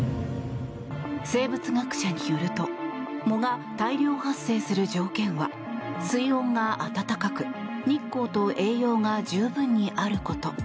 生物学者によると藻が大量発生する条件は水温が温かく日光と栄養が十分にあること。